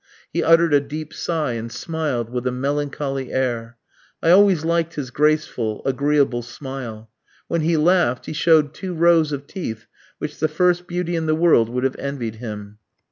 He uttered a deep sigh, and smiled with a melancholy air. I always liked his graceful, agreeable smile. When he laughed, he showed two rows of teeth which the first beauty in the world would have envied him.